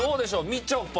みちょぱ。